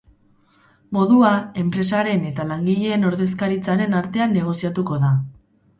Modua, enpresaren eta langileen ordezkaritzaren artean negoziatuko da.